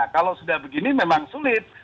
kalau sudah begini memang sulit